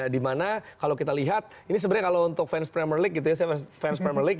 di mana kalau kita lihat ini sebenarnya kalau untuk fans premier league